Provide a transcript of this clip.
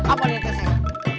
apa dia kesini